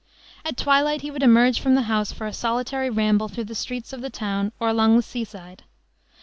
At twilight he would emerge from the house for a solitary ramble through the streets of the town or along the sea side.